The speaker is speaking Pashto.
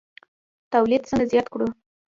تولید څنګه زیات کړو؟